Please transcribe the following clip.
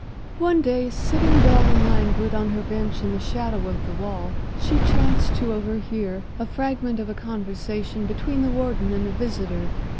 One day, sitting dull and languid on her bench in the shadow of the wall, she chanced to overhear a fragment of a conversation between the warden and a visitor.